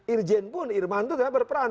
irjen pun irman itu tidak berperan